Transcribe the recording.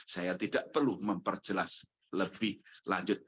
saya tidak perlu memperjelas lebih lanjut